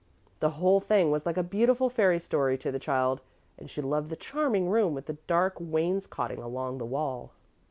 The whole thing was like a beautiful fairy story to the child, and she loved the charming room with the dark wainscoting along the wall.